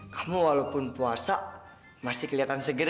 kamu walaupun puasa masih kelihatan seger